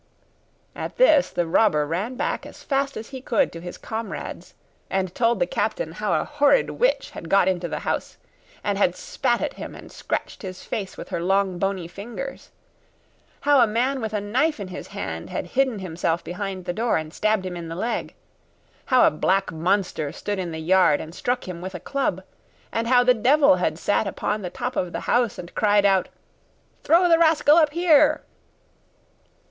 At this the robber ran back as fast as he could to his comrades, and told the captain how a horrid witch had got into the house, and had spat at him and scratched his face with her long bony fingers; how a man with a knife in his hand had hidden himself behind the door, and stabbed him in the leg; how a black monster stood in the yard and struck him with a club, and how the devil had sat upon the top of the house and cried out, 'Throw the rascal up here!